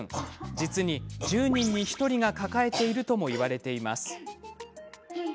実に、１０人に１人が抱えているともいわれています。